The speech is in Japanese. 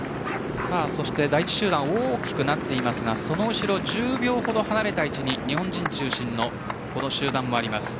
そして第１集団大きくなっていますがその後ろ１０秒ほど離れた位置に日本人中心の集団もあります。